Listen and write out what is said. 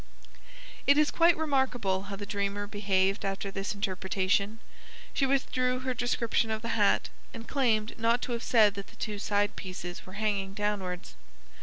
It is quite remarkable how the dreamer behaved after this interpretation. She withdrew her description of the hat, and claimed not to have said that the two side pieces were hanging downwards.